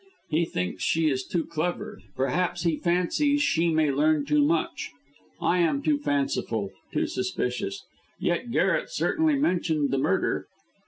He thinks she is too clever; perhaps he fancies she may learn too much. I am too fanciful too suspicious. Yet Garret certainly mentioned the murder.